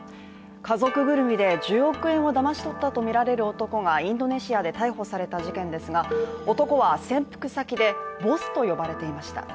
家族ぐるみで１０億円をだまし取ったとみられる男がインドネシアで逮捕された事件ですが、男は潜伏先でボスと呼ばれていました。